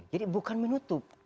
jadi bukan menutup